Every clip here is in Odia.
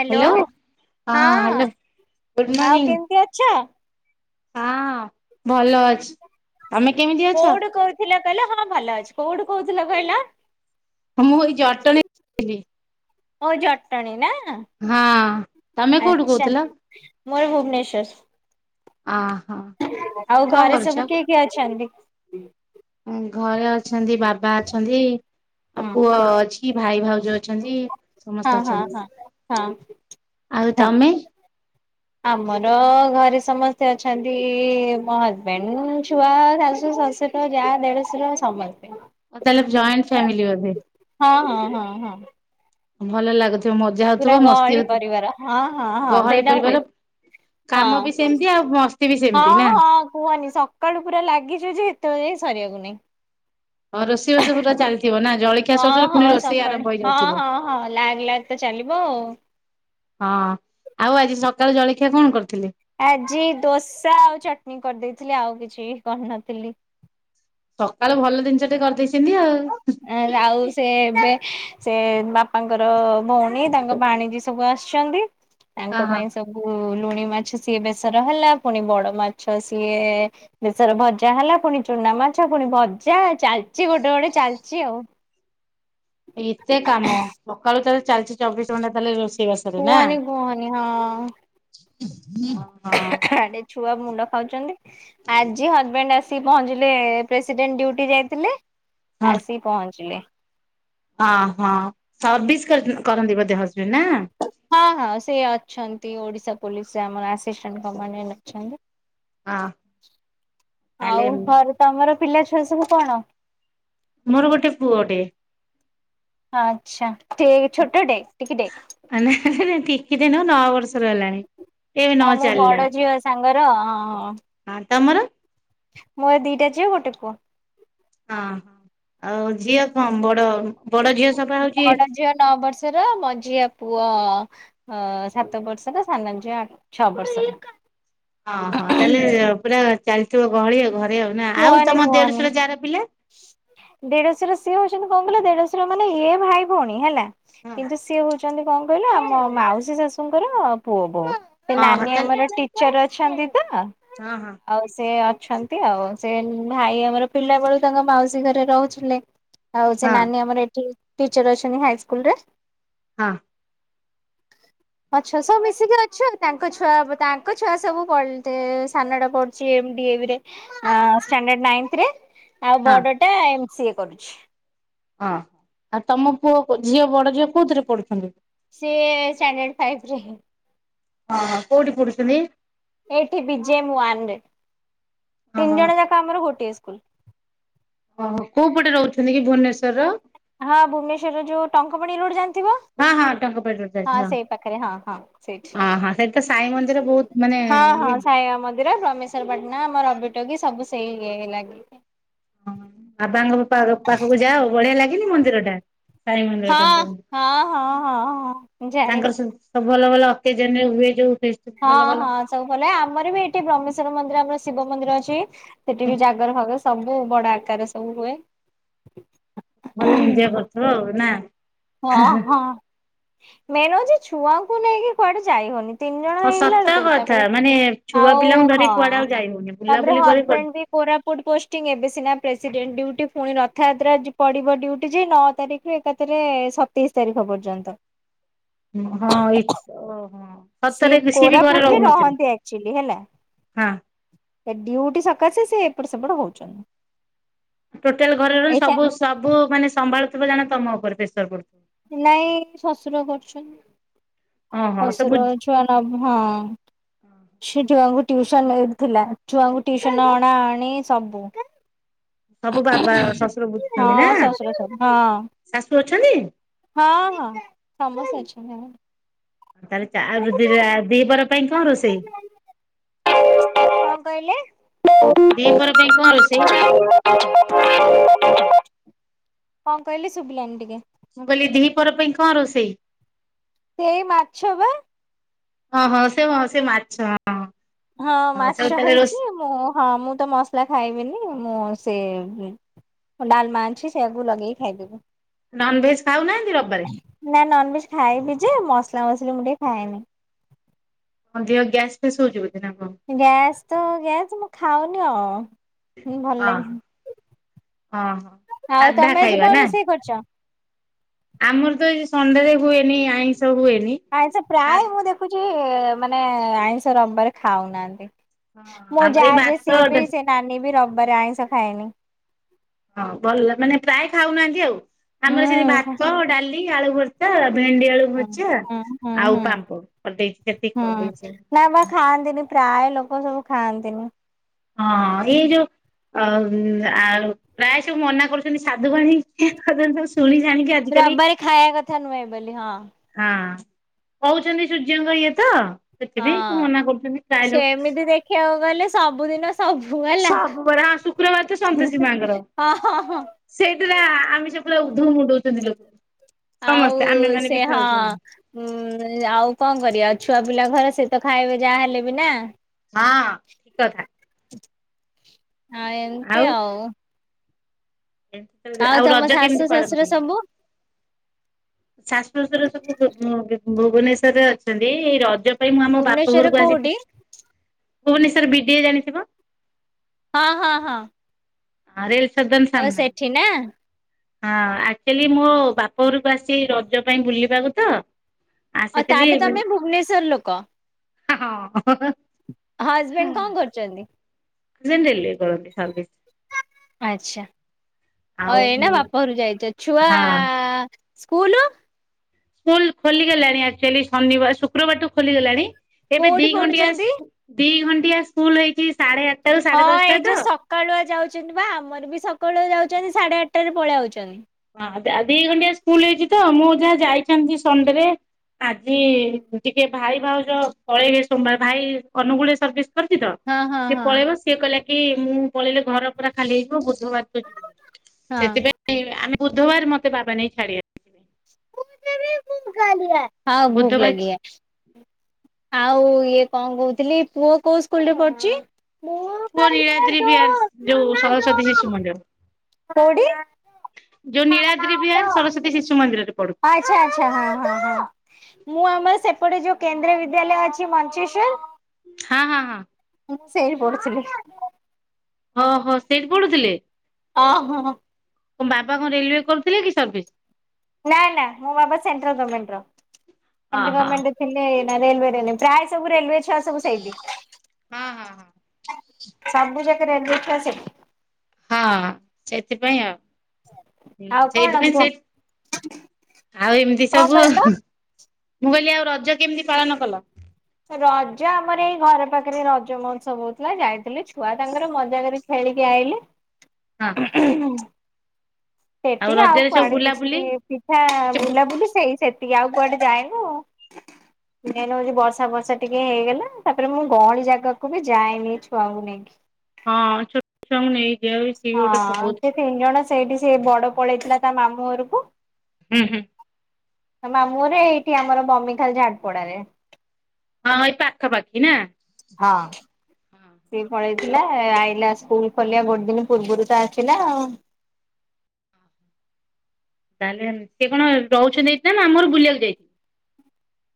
ହ୍ୟାଲୋ ହଁ ଗୁଡ୍ ଆଉ ମର୍ଣ୍ଣିଂ କେମିତି ଅଛ? ହଁ ଭଲ ଅଛି। ତମେ କେମିତି ଅଛ? କହିଲା ତା ହେଲେ ହଁ ଭଲ ଅଛି କୋଉଠୁ କୋହୁଥିଲ କହିଲ ମୁଁ ଏଇ ଜଟଣୀ ଥିଲି ଅ ଜଟଣୀ ନା ହଁ ତମେ କୋଉଠୁ କହୁଥିଲ? ମୁଁ ଏଇ ଭୁବନେଶ୍ୱର ଅହୋ ଆଉ କଣ ଘରେ କରୁଛ? ସବୁ କିଏ କିଏ ଅଛନ୍ତି? ଘରେ ଅଛନ୍ତି ବାବା ଅଛନ୍ତି ଆଉ ହଁ ପୁଅ ଅଛି ଭାଇ ଭାଉ ଯୋଉ ଅଛନ୍ତି ହଁ ସମସ୍ତେ ହଁ ହଁ ଅଛନ୍ତି ହଁ। ଆଉ ହଁ ତମେ ଆମର ଘରେ ସମସ୍ତେ ଅଛନ୍ତି ମୋ ହଜବେଣ୍ଡ ଛୁଆ ଶାଶୁ ଶଶୁର ଯା ଦେଢଶୁର ସମସ୍ତେ ଓ ତାହେଲେ ଜଏଣ୍ଟ ଫ୍ୟାମିିଲି ବୋଧେ ହଁ ହଁ ହଁ ହଁ ଭଲ ଲାଗୁଥିବ ମଜା ପୁରା ହଉଥିବ ମସ୍ତି ଗହଳି ହଉଥିବ ପରିବାର ହଁ ହଁ ହଁ ଗହଳି ସେଇଟା ହୁଏ ପରିବାର କାମ ବି ହଁ ସେମିତି ଆଉ ମସ୍ତି ବି ହଁ ସେମିତି ନା ହଁ କୁହନି ସକ୍ କାଳୁ ପୁରା ଲାଗିଛୁ ଯେ ଏତବେଳ ଯାଏଁ ସରିବାକୁ ନାହିଁ ହଉ ରୋଷେଇବାସ ପୁରା ଚାଲି ଥିବ ନା ଜଳଖିଆ ସରୁ ହଁ ସରୁ ପୁଣି ହଁ ରୋଷେଇ ସକାଳୁ ଆରମ୍ଭ ହଁ ହେଇଯାଉଥିବ। ହଁ ହଁ ଲାଗ ଲାଗ ତ ଚାଲିବ ଆଉ। ହଁ ଆଉ ଆଜି ସକାଳ ଜଳଖିଆ କଣ କରିଥିଲେ? ଆଜି ଦୋସା ଆଉ ଚଟଣୀ କରିଦେଇଥିଲି। ଆଉ କିଛି କରିନଥିଲି। ସକାଳୁ ଭଲ ଜିନିଷଟେ କରିଦେଇଚନ୍ତି ଆଉ। ଆଁ ଆଉ ସେ ଏବେ ସେ ବାପାଙ୍କର ଭଉଣୀ ତାଙ୍କ ବାଣିଜି ସବୁ ଆସିଚନ୍ତି ହଁ ତାଙ୍କ ହଁ ପାଇଁ ସବୁ ଲୁଣି ମାଛ ସିଏ ବେସର ହେଲା। ପୁଣି ବଡ଼ ମାଛ ସିଏ ଶେଷରେ ଭଜା ହେଲା ପୁଣି ଚୁନା ମାଛ ପୁଣି ଭଜା ଚାଲିଚି ଗୋଟେ ଗୋଟେ ଚାଲିଚି ଆଉ। ଏତେ କାମ ସକାଳୁ ତାହେଲେ ଚାଲିଚି ଚବିଶି ଘଣ୍ଟା ତାହେଲେ ରୋଷେଇବାସ। କୁହନି କୁହନି ହଁ। ହଁ। ଆଡ଼େ ଛୁଆ ମୁଣ୍ଡ ଖାଉଚନ୍ତି। ଆଜି ହଜବେଣ୍ଡ ଆସିିକି ପହଞ୍ଚିଲେ ପ୍ରେସିଡେଣ୍ଟ ଡ୍ୟୁଟି ଯାଇଥିଲେ। ଆସି ପହଞ୍ଚିଲେ। ଅଁ ହଁ ସର୍ଭିସ କର କରନ୍ତିି ବୋଧେ ହଜ୍ ଜୋନା ହଁ ହଁ ସେ ଅଛନ୍ତି ଓଡ଼ିଶା ପୋଲିସରେ ଆମର ଆସିଷ୍ଟାଣ୍ଟ କମାଣ୍ଡଣ୍ଟ ହଁ ଅଛନ୍ତି। ତାହେଲେ ଆଉ ଘରେ ତମର ପିଲା ଛୁଆ ସବୁ କଣ? ମୋର ଗୋଟେ ପୁଅଟେ। ଆଚ୍ଛା ଟିକେ ଏଇ ଛୋଟଟେ ଟିକିଟେ। ମାନେ ଟିକିଟେ ନୁହେଁ ନଅ ବର୍ଷର ହେଲାଣି। ଏବେ ହଁ ନଅ ମୋ ବଡ଼ ଝିଅ ସାଙ୍ଗର ଅଁ ଅଁ ଅଁ। ଆନ୍ଥ ତମର ମୋର ଦିଟା ଝିଅ ଗୋଟେ ପୁଅ। ହଁ ଆଉ ଝିଅ କଣ ବଡ଼ ବଡ଼ ଝିଅ ସଫା ହଉଚି ବଡ ଝିଅ ନଅ ବର୍ଷ। ର ମଝିଆ ପୁଅ ହଁ ସାତ ବର୍ଷର ସାନ ଝିଅ ଆ ଛଅ ବର୍ଷର। ଅଁ ହଁ ତାହେଲେ ପୁରା ଚାଲିଥିବ ଗହଳି ଆଉ ଘରେ ଆଉ ନାଁ। ଆଉ କୁହନି ତମ କୁହନି। ଦେଢଶୁର ଯାର ପିଲା ଦେଢଶୁର ସିଏ ହଉଚନ୍ତି କଣ କହିଲ ଦେଢଶୁର ମାନେ ଇଏ ଭାଇ ଭଉଣୀ ହେଲା। ହଁ କିନ୍ତୁ ସିଏ ହଉଚନ୍ତି କଣ କହିଲ ଆମ ମାଉସୀ ଶାଶୁଙ୍କର ପୁଅ ବୋହୂ। ସେ ହଁ ନାନୀ ଆମର ଟିଚର ଅଛନ୍ତି ତ। ଅଁ ହଁ ଆଉ ସେ ଅଛନ୍ତି ଆଉ ସେ ଭାଇ ଆମର ପିଲା ବେଳୁ ତାଙ୍କ ମାଉସୀ ଘରେ ରହୁଥିଲେ। ଆଉ ସେ ହଁ ନାନୀ ଆମର ଏଠି ଟିଚର ଅଛନ୍ତି ହାଇସ୍କୁଲରେ। ହଁ ଅଛୁ ସବୁ ମିଶିକି ଅଛୁ ତାଙ୍କ ଛୁଆ ତାଙ୍କ ଛୁଆ ସବୁ ପଲଟେ ସାନଟା ପ C M D A V ରେ ଷ୍ଟାଣ୍ଡାର୍ଡ ନାଇନ୍ଥରେ ଆଉ ହଁ ବଡଟା ଏମ୍ ସିଏ କରୁଛି। ହଁ ଆଉ ତମ ପୁଅ ଝିଅ ବଡ଼ ଝିଅ କୋଉଥିରେ ପଢୁଛନ୍ତି? ସିଏ ଷ୍ଟାଣ୍ଡାର୍ଡ ଫାଇପରେ। ହଁ କୋଉଠି ପଢ଼ୁଛନ୍ତି? ଏଇଠି ବି ଜେ ଏମ୍ ୱାନରେ ଓହୋ। ତିନି ଜଣ ଯାକ ଆମର ଗୋଟିଏ ସ୍କୁଲ। ଓହୋ କୋଉ ପଟେ ରହୁଚନ୍ତି କି ଭୁବନେଶ୍ୱରର? ହଁ ଭୁବନେଶ୍ୱରର ଯୋଉ ଟଙ୍କପାଣି ରୋଡ଼ ଜାଣିଥିବ। ହଁ ହଁ ଟଙ୍କପାଟିରୁ ଯାଇଛି ହଁ ସେଇ ପାଖରେ ହଁ ହଁ ସେଇଠି। ହଁ ହଁ ସେଇଠି ତ ସାଇ ମନ୍ଦିର ବହୁତ ମାନେ ହଁ ହଁ ଇଏ ସାଇବାବା ମନ୍ଦି ର, ବ୍ରହ୍ମେଶ୍ବରପାଟଣା ଆମର ରବି ଟକିଜ ସବୁ ସେଇ ଇଏ ଲାଗିକି। ହଁ ବାବାଙ୍କ ପା ପାଖକୁ ଯାଅ ବଢିଆ ଲାଗେନି ମନ୍ଦିରଟା? ସାଇ ମନ୍ଦିର ହଁ [unintelligible] ହଁ ହଁ ହଁ ହଁ ଯାଏ। ତାଙ୍କର ସବୁ ସବୁ ଭଲ ଭଲ ଅକେଜନରେ ହୁଏ ଯୋଉ ଫେଷ୍ ହଁ ହଁ ସବୁ ଭଲ ଆମର ବି ଏଠି ବ୍ରହ୍ମେଶ୍ଵର ମନ୍ଦିର ଆମର ଶିବ ମନ୍ଦିର ଅଛି। ସେଠି ବି ଜାଗର ଫାଗର ସବୁ ବଡ ଆକାରେ ସବୁ ହୁଏ। ଭଲ ଏଞ୍ଜୟ କରୁଥିବ ନା? ହଁ ହଁ ମେନ୍ ହଉଚି ଛୁଆଙ୍କୁ ନେଇକି କୁଆଡେ ଯାଇ ହଉନି। ତିନ୍ ଜଣ ହଁ ହେଇଗଲା ସତ ବେଳକୁ କଥା ତାପରେ ମାନେ ଛୁଆ ଆଉ ପିଲାଙ୍କୁ ଧରି ହଁ କୁଆଡେ ଆଉ ଯାଇ ହଉନି ତାପରେ ବୁଲାବୁଲି କରି କୁଆଡେ ହଜବେଣ୍ଡ ବି କୋରାପୁଟ୍ ପୋଷ୍ଟିଂ ଏବେ ସିନା ପ୍ରେସିଡେଣ୍ଟ ଡ୍ୟୁଟି ଫୁଣି ରଥଯାତ୍ରା ଯି ପଡିବ ଡ୍ୟୁଟି ଯେ ନଅ ତାରିଖ୍ ସେ ଏକାଥରେ ସତେଇଶି ତାରିଖ ପର୍ଯ୍ୟନ୍ତ। ହଁ ଏଇ ତ ଓହୋ ସିଏ ସତରେ ରିସି ବି ଘରେ କୋରାପୁଟରେ ରହୁନଥିଲେ। ରହନ୍ତି ହଁ! ଏ ଡ୍ୟୁଉଟି ସକାଶେ ସେ ଏପଟେ ସେପଟ ହଉଚନ୍ତି। ଟୋଟାଲ ଘରର ସବୁ ସବୁ ମାନେ ସମ୍ଭାଳୁଥିବ ଜାଣ ତମ ଉପରେ ପ୍ରେସର ପଡୁ ନାଇଁ ଶଶୁର କରୁଛନ୍। ଓହୋ ସବୁ ଶଶୁର ଛୁଆ ନବ୍ ହଁ। ସେ ଛୁଆଙ୍କୁ ଟିଉସନ୍ ନେଇଥିଲା‌। ଛୁଆଙ୍କୁ ଟିଉସନ୍ ଅଣା ଅଣି ସବୁ। ସବୁ ବାବା ଶଶୁର ବୁଝୁଛନ୍ତି ନା ହଁ ଶ୍ୱଶୁର ସବୁ ହଁ ଶାଶୁ ଅଛନ୍ତି? ହଁ ହଁ ସମସ୍ତେ ଅଛନ୍ତି ହଁ। ତାହେଲେ ଚା ଆଉ [unintelligible] ଦି ପହର ପାଇଁ କଁ ରୋଷେଇ? କଁ କହିଲେ? ଦି ପହର ପାଇଁ କଁ ରୋଷେଇ? କଁ କଇଲେ ଶୁଭିଲାନି ଟିକେ? ମୁଁ କଇଲି ଦିଃ ପହର ପାଇଁ କଁ ରୋଷେଇ? ସେଇ ମାଛ ବା। ହଁ ହଁ ସେଇ ହଁ ସେ ମାଛ ହଁ। ହଁ ସବୁ ମାଛ ତାହେଲେ ହେଇଚି। ରୋଷେଇ ମୁଁ ହଁ ମୁଁ ତ ମସଲା ଖାଇବିନି। ମୁଁ ସେ ଡାଲମା ଅଛି ସେଆକୁ ଲଗେଇ ଖାଇଦେବୁ। ନନ୍ ଭେଜ୍ ଖାଉନାହାନ୍ତି ରବବାରେ? ନା ନନ୍ ଭେଜ୍ ଖାଇବି ଯେ ମସଲା ମସଲି ମୁଁ ଟିକେ ଖାଏନି। ହଁ ଦେହ ଗ୍ୟାସ୍ ଫ୍ୟାସ୍ ହଉଚି ବୋଧେ ନା କଁ? ଗ୍ୟାସ୍ ତ ଗ୍ୟାସ୍ ମୁଁ ଖାଉନି ଆଉ। ହୁଁ ଭଲ ହଁ। ଓହୋ ଲାଗେନି। ଆଉ ସାଧା ତମେ ଆଜି ଖାଇବା କଣ ନା ରୋଷେଇ କରିଚ? ଆମର ତ ଏ ସଣ୍ଡେରେ ହୁଏନି ଆଇଁଷ ହୁଏନି। ସାଧ୍ ଦେଖୁଚି ମାନେ ଆଇଁଷ ରବବାରେ ଖାଉନାହାନ୍ତି। ମୋ ଆମର ଯା ଏଇ ଯେ ଭାତ ସିଏ ବି ଡା ସେ ନାନୀ ବି ରବବାର ଆଇଁଷ ଖାଏନି। ହଁ ଭଲ ମାନେ ପ୍ରାୟ ଖାଉନାହାନ୍ତି ଆଉ। ଆମର ସେମିତି ହୁଁ ଭାତ, ଡାଲ୍ ଲି, ଆଳୁ ଭର୍ତ୍ତା, ଭେଣ୍ଡି ଆଳୁ ହୁଁ ଭଜା ହୁଁ ଆଉ ହୁଁ ପାମ୍ପଡ୍ କରିଦେଇ ସେତିକି ହୁଁ କରିଦେଇଛି [unintelligible] ନା ବା ଖାଆନ୍ତିନି ପ୍ରାୟେ ଲୋକ ସବୁ ଖାଆନ୍ତିନି। ହଁ ଏଇ ଯୋଉ ଅ ଉମ୍ ଆଉ ପ୍ରାୟେ ସବୁ ମନା କରୁଛନ୍ତି ସାଧୁବାଣୀ [unintelligible] ରବିବାରେ ଖାଇବା କଥା ନୁହେଁ ବୋଲି ହଁ। ହଁ କହୁଚନ୍ତି ସୂର୍ଯ୍ୟଙ୍କ ଇଏତ ସେଥିପାଇଁ ସବୁ ହଁ। ମନା କରୁଚନ୍ତି ପ୍ରାଏଲୋକ ସେମିତି ଦେଖିବାକୁ ଗଲେ ସବୁଦିନ ସବୁ ହେଲା। ସବୁ ବାରା ଶୁକ୍ରବାରତ ସନ୍ତୋଷୀ ମାଙ୍କର। ହଁ ହଁ ହଁ ସେଇଥିରେ ଆମିଷ ପୁରା ଉଧୋମ ମୁଣ୍ଡଉଚନ୍ତି ଲୋକ। ସମସ୍ତେ ଆମେ ଆଉ ମାନେ ସେ ବି ହଁ। ଖାଉଛୁ ଉୁଁ ଆଉ କଁ କରିବା ଛୁଆ ପିଲା ଘର ସେତ ଖାଇବେ ଯାହା ହେଲେବି ନା। ହଁ ଠିକ୍ କଥା। ହଁ ଏମିତି ଆଉ। ଆଉ ତମ ରଜ ଶାଶୁ କେମିତି ପାଳନ ଶ୍ୱଶୁର କଲେ? ସବୁ ଶାଶୁ ଶଶୁର ସବୁ ଭୁବନେଶ୍ଵରରେ ଅଛନ୍ତି ଏ ରଜ ରଜ ପାଇଁ ମୁଁ ଆମ ବାପ ଭୁବନେଶ୍ଵରରେ ଘରକୁ ଆସିଥିଲି କୋଉଠି? ଭୁବନେଶ୍ୱର ବିଡିଏ ଜାଣିଥିବ? ହଁ ହଁ ହଁ। ଆରେଲ ସଦାନ ଓ ସାମ୍ନା। ସେଠି ନା ହଁ ଆକ୍ଚୁଲି ମୋବାପ ଘରକୁ ଆସିଚି ରଜ ପାଇଁ ବୁଲିବାକୁତ ଅ ତାହେଲେ ତମେ ଭୁବନେଶ୍ଵର ଲୋକ। ଆ ହଁ ହ ହ। ହଜବେଣ୍ଡେ କଁ କରୁଚନ୍ତି? ହଜବେଣ୍ଡେ ରେଲିଙ୍ଗ କରନ୍ତି ସର୍ବିସ୍। ଆଚ୍ଛା ଅ ଆଉ ଏଇନା ହଁ। ବାପା ଘରୁ ଯାଇଚ ଛୁଆ ସ୍କୁଲ୍? ସ୍କୁଲ୍ ଖୋଲିଗଲାଣି ଆକ୍ଚୁଲି ଶନିବାର ଶୁକ୍ରବାରଠୁ ଖୋଲିଗଲାଣି ଏବେ କୋଉଠି ଦି ଘଣ୍ଟିଆ ପଢୁଛନ୍ତି? ଦି ଘଣ୍ଟିଆ ସ୍କୁଲ୍ ହେଇଚି ହଁ ଏଇ ଯୋଉ ସ ସକାଳୁଆ ଯାଉଚନ୍ତିବା ଆମରବି ସକାଳୁଆ ଯାଉଚନ୍ତି ସାଢ଼େ ଆଠଟାରେ ପଳେଇ ଆଉଚନ୍ତି। ହଁ ଦି ଘଣ୍ଟଆ ସ୍କୁଲ୍ ହେଇଚିତ ମୁଁ ଯାହା ଯାଇଥାନ୍ତି ସଣ୍ଡେରେ ଆଜି ଟିକେ ଭାଇ ଭାଉଜ ପଳେଇବେ ସୋମବାର ଭାଇ ଅନୁକୂଳରେ ସର୍ବି କରଚିତ ହଁ ହଁ ସିଏ ହଁ ହଁ। ପଳେଇବ ସିଏ କହିଲା କି ମୁଁ ପଳେଇଲେ ଘର ପୁରା ଖାଲି ହେଇଯିବ ବୁଧବାରକୁ ଯିବୁ ହଁ ସେଥିପାଇଁ ଆମେ ବୁଧବାର ମତେ ବାବା ନେଇ ଛାଡ଼ିବେ। ଭ ଭ ହଁ ଭୁକ୍ ବୁଧବାର ଲାଗିଆ। ଆଉ ଇଏ କଁ କହୁଥିଲି ପୁଅ କୋଉ ସ୍କୁଲରେ ପଢ଼ୁଚି? ପୁଅ ନୀଳାଦ୍ରି ବିହାର୍ ଯୋଉ ସରସ୍ଵତୀ ଶିଶୁ ମନ୍ଦିର। କୋଉଠି? ଯୋଉ ନୀଳାଦ୍ରି ବିହାର ସରସ୍ଵତୀ ଶିଶୁ ମନ୍ଦିରରେ ପଢୁ ଆଚ୍ଛା ଆଚ୍ଛା ହଁ ହଁ ହଁ। ମୁଁ ଆମର ସେପଟେ ଯୋଉ କେନ୍ଦ୍ରୀୟ ବିଦ୍ୟାଳୟ ଅଛି ମଞ୍ଚେଶ୍ଵର ହଁ ହଁ ହଁ। ମୁଁ ସେଇଟି ପଢ଼ୁଥିଲି। ଓ ହଁ ସେଇଠି ପଢୁଥିଲେ। ଅଁ ହଁ। କଁ ବାବା କଣ ରେଲୱେ କରୁଥିଲେକି ସର୍ଭିସ୍। ନାଇଁ ନା ମୋ ବାବା ସେଣ୍ଟ୍ରାଲ୍ ଗମେଣ୍ଟର ହଁ ସେଣ୍ଟ୍ରାଲ୍ ହଁ। ଗମେଣ୍ଟେ ହେଲେ ରେଲୱରେଁ ପ୍ରାୟ ସବୁ ରେଲୱେ ଛୁଆ ସବୁ ସେଇଟି। ହଁ ହଁ ସବୁଜାଙ୍କ ରେଲୱେ ଛୁଆ ସେଇଟି। ହଁ ସେଥିପାଇଁ ଆଉ। ଆଉ କଣ ସେଇଥିପାଇଁ କୁହ? ସେ ଆଉ ଏମିତି କଣ ସବୁ। କହିଲ? ମୁଁ କହିଲି ଆଉ ରଜ କେମିତି ପାଳନ କଲ? ରଜ ଆମର ଏଇ ଘର ପାଖରେ ରଜ ମହୋତ୍ସବ ହଉଥିଲା ଯାଇଥିଲା ଛୁଆ ତାଙ୍କର ମଜା କରି ଖେଳିକି ଆଇଲି। ହଁ ସେତେକି ଆଉ ରଜରେ ସବୁ କୁଆଡ଼େ ବୁଲାବୁଲି କିଛି ପିଠା କିଛି ବୁ ବୁଲାବୁଲି ସେଇ ସେତି ଟିକେ ଆଉ କୁଆଡ଼େ ଯାଏନୁ। ମେନ୍ ହଉଚି ବର୍ଷା ବର୍ଷା ଟିକେ ହେଇଗଲା ତାପରେ ମୁଁ ଗହଳି ଜାଗାକୁବି ଯାଏନି ଛୁଆକୁ ନେଇକି। ହଁ ଛୋଟ ଛୁଆଙ୍କୁ ନେଇକ ଯିବାକୁ ସିଏବି ଗୋଟେ ହଁ ବହୁତ୍ ସେ ତିନି ଜଣ ସେଇଠି ସେ ବଡ଼ ପଳେଇଥିଲା ତା ମାମୁଁ ଘରକୁ ହୁଁ ହୁଁ। ମାମୁଁ ଘରେ ଏଇଠି ଆମର ବମିଖାଲ ଝାଟପୋଡ଼ାରେ। ହଁ ଏଇ ପାଖାପାଖି ନା। ହଁ। ସିଏ ପଳେଇଥିଲା ଆଇଲା ସ୍କୁଲ୍ ଖୋଲିବା ଗୋଟେ ଦିନ ପୂର୍ବରୁତ ଆସିଲା ଆଉ। ତାହେଲେ ସିଏ କଣ ରହୁଚନ୍ତି ଏଇନା ମାମୁଁ ଘରକୁ ବୁଲିବାକୁ ଯାଇଚନ୍ତି?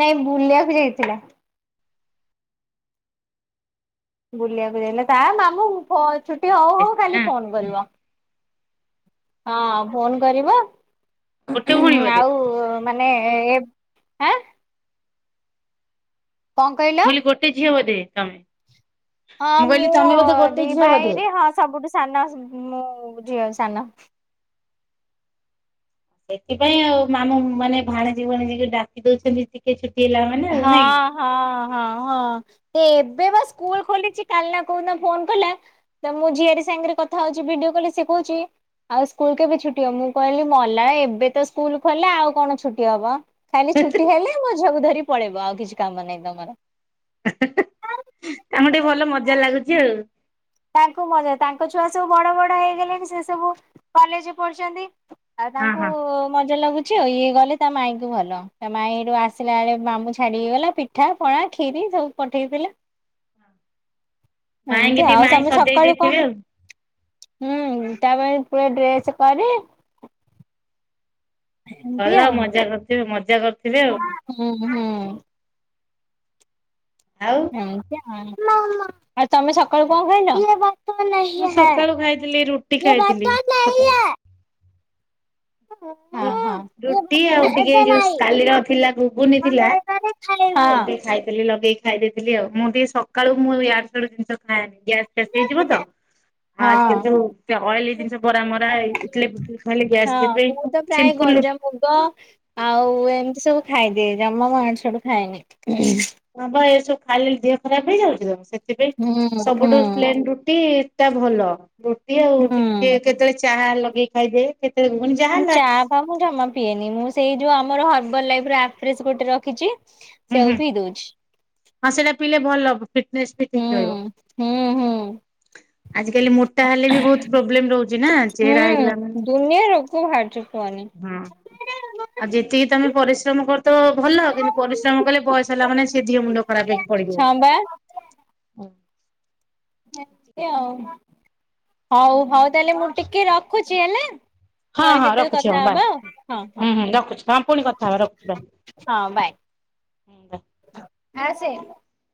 ନାଇଁ ବୁଲିବାକୁ ଯାଇଥିଲା। ବୁଲିବାକୁ ଯାଇଥିଲା ତା ମାମୁ ଫ ଛୁଟି ହଉ ଥିଲେ ହଉ ସବୁ ନା ଖାଲି ଫୋନ୍ କରିବ। ହଁ ଫୋନ୍ କରିବ ଗୋଟେ ଭଉଣୀ ବୋଧେ ଆଉ ମାନେ ଏଁ ଆଁ କଣ କହିଲ? ମୁଁ କହିଲି ଗୋଟେ ଝିଅ ବୋଧେ ତମେ? ହଁ ମୁଁ କହିଲି ତମେ ବୋଧେ ଗୋଟେ ଦି ଝିଅ ବୋଧେ? ଭାଇରେ ହଁ ସବୁଠୁ ସାନ ମୁଁ ଝିଅ ସାନ। ସେଥିପାଇଁ ଆଉ ମାମୁଁ ମାନେ ଭାଣଜି ଭଉଣୀ ଡାକି ଦଉଚନ୍ତି ଟିକେ ଛୁଟି ହେଲା ମାନେ ଆଉ ହଁ ନାଇଁକି। ହଁ ହଁ ହଁ ଏବେବା ସ୍କୁଲ୍ ଖୋଲିଚି କାଲିନା କୋଉ ଫୋନ୍ କଲା ତା ମୁଁ ଝିଆରି ସାଙ୍ଗରେ କଥା ହଉଚି ଭିଡିଓ କଲରେ ଶିଏକହୁଚ। ଆଉ ସ୍କୁଲ କେବେ ଛୁଟି ହବ, ମୁଁ କହିଲି ମଲା ଏବେତ ସ୍କୁଲ୍ ଖୋଲିଲା, ଆଉ କଣ ଛୁଟି ହବ। ଖାଲି ଛୁଟି ହେଲେ ମୋ ଝୁଅକୁ ଧରି ପଳେଇବ, ଆଉ କିଛି କାମ ନାହିଁ ତମର। ତାଙ୍କୁ ଟିକେ ଭଲ ମଜା ଲାଗୁଚି ଆଉ। ତାଙ୍କୁ ମଜା ତାଙ୍କ ଛୁଆ ସବୁ ବଡ଼ ବଡ଼ ହେଇଗଲେଣି, ସେ ସବୁ କଲେଜ୍ ପଢ଼ୁଚନ୍ତି। ଆଉ ହଁ ତାଙ୍କୁ ହଁ ମଜା ଲାଗୁ ଚି ଆଉ, ଇଏ ଗଲେ ତା ମାଇଁକୁ ଭଲ, ତା ମାଇଁର ଆସିଲା ବେଳେ ମାମୁ ଛାଡ଼ିକି ଗଲା ପିଠାପଣା, କ୍ଷୀରି ସବୁ ପଠେଇଥିଲୁ। ଏମିତି ମାଇଁକି ଟି ଆଉ ମାଇଁ ତମେ ସଜେଇ ସକାଳୁ କଣ ଦେଇଥିବେ ଆଉ। ହୁଁ, ତା ପାଇଁ ପୁଳାଏ ଡ୍ରେସ୍ କରି ଏମିତି ଭଲ ଆଉ ମଜା କରୁଥିବେ, ମଜା କର ହୁଁ ହୁଁ। ଆଉ? ଏମିତିଆ, ଆଉ ଆଉ ତମେ ସକାଳୁ କଣ ମୁଁ ଖାଇଲ? ସକାଳୁ ଖାଇଥିଲି ରୁଟି ଖାଇଥିଲି ସକାଳୁ [unintelligible] ହଁ ହଁ। ରୁ ରୁଟି ଆଉ ଟିକେ ଯୋଉ କାଲିର ଥିଲା ଘୁଗୁନି ଥିଲା ତାକୁ ଟିକେ ଖାଇଥିଲି ଲଗେଇ ଖାଇ ଦେଇଥିଲି ଆଉ, ମୁଁ ଟିକେ ସକାଳୁ ମୁଁ ଆଡ଼ୁସାଡ଼ୁ ଜିନିଷ ଖାଏନି। ଗ୍ୟାସ୍ ହଁ। ଫ୍ୟାସ୍ ହେଇଯିବତ ଆଁ ଆଜିକାଲି ହଁ। ଯୋଉ ଅଏଲି ଜିନିଷ ବରା ମରା, ଇଟିଲି ଫିଟିଲି ଖାଇଲେ ଗ୍ୟାସ୍ ବି ପ୍ରାୟେ ଗଜା ମୁଗ ଆଉ ଏମିତି ସବୁ ଖାଇଦିଏ, ଜମା ମୁଁ ଆଡ଼ୁସାଡ଼ୁ ଖାଏନି। ହଁବା ଏସବୁ ଖାଇଲେ ଦେହ ଖରାପ୍ ହେଇଯାଉଚି ତ, ସେଥିପାଇଁ ହୁଁ ହୁଁ ସବୁଠୁ ପ୍ଲେନ୍ ରୁଟିଟା ଭଲ ରୁଟି ଆଉ ଟିକେ ହୁଁ। କେତେବେଳେ ଚାହା ଲଗେଇ [unintelligible] ମୁଁ ଚା ଫା ମୁଁ ଜମା ପିଏନି, ମୁଁ ସେଇ ଯୋଉ ଆମର ହର୍ବାଲ ଲାଇଫର ଆପ୍ରେକ୍ସ ଗୋଟେ ରଖିଛି ହୁଁ ହୁଁ ସେଇଆକୁ ପି ଦଉଛି। ହଁ ସେଇଟା ପିଇଲେ ଭଲ, ଫିଟନେସ ବି ହୁଁ ଠିକ ରହିବ। ହୁଁ ହୁଁ ଆଜିକାଲି ମୋଟା ହେଲେ ବି ବହୁତ ପ୍ରୋବ୍ଲେମ ରହୁଛି ନା। ଚେହେରା ହେଇ ଗଲାଣି ହୁଁ ଦୁନିଆ ରୋଗ ବାହାରୁଛି କୁହନି। ହଁ। ଆଉ ଯେତିକି ତମେ ପରିଶ୍ରମ କରୁଥିବ ଭଲ କିନ୍ତୁ ହଁ ପରିଶ୍ରମ କଲେ ବୟସ ହେଲା ମାନେ ସେ ଦେହମୁଣ୍ଡ ଖରାପ ହେଇକି ପଡ଼ିବ। ବା ଏମିତି ଆଉ ଟିକେ ଆଉ ହଉ ହଉ ତାହାଲେ ଟିକେ ରଖୁଛି ହେଲା। ହଁ ପରେ ହଁ କେତେବେଳେ ରଖୁଛି କଥା ହଁ ବାଏ, ହବା ଆଉ ହଁ ହୁଁ ହୁଁ ରଖୁଛି ହଁ ପୁଣି କଥା ହବା ରଖୁଛି ବାଏ। ହଁ ବାଏ, ଆସେ।